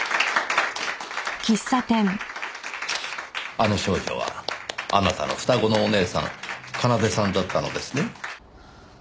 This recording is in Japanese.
あの少女はあなたの双子のお姉さん奏さんだったのですね？